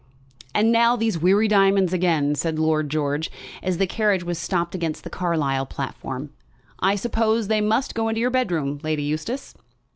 "And now these weary diamonds again," said Lord George, as the carriage was stopped against the Carlisle platform. "I suppose they must go into your bedroom, Lady Eustace?"